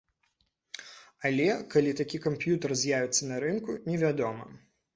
Але калі такі камп'ютар з'явіцца на рынку, невядома.